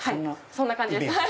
そんな感じです。